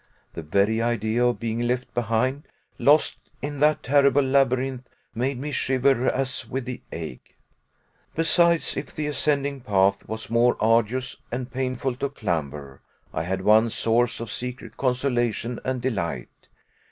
The very idea of being left behind, lost in that terrible labyrinth, made me shiver as with the ague. Besides, if the ascending path was more arduous and painful to clamber, I had one source of secret consolation and delight.